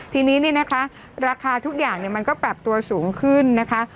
ทีนี้เนี่ยนะคะราคาทุกอย่างมันก็ปรับตัวสูงขึ้นนะคะ